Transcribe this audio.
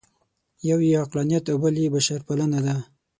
یو یې عقلانیت او بل یې بشرپالنه ده.